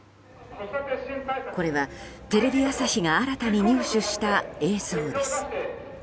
これはテレビ朝日が新たに入手した映像です。